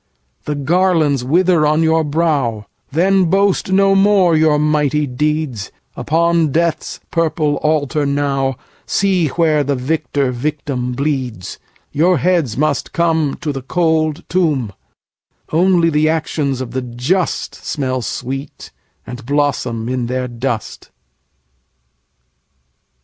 The garlands wither on your brow; Then boast no more your mighty deeds; Upon Death's purple altar nowSee where the victor victim bleeds:Your heads must comeTo the cold tomb; Only the actions of the justSmell sweet, and blossom in their dust.